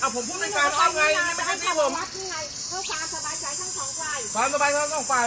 ผมพูดในการอ้อมยังไง